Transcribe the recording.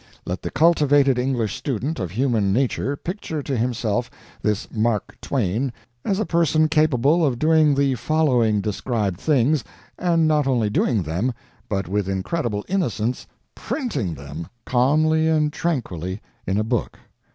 Let the cultivated English student of human nature picture to himself this Mark Twain as a person capable of doing the following described things and not only doing them, but with incredible innocence printing them calmly and tranquilly in a book.